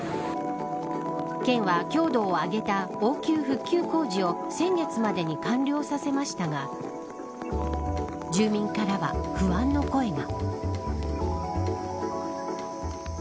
県は強度を上げた応急復旧工事を先月までに完了させましたが住民からは不安の声が。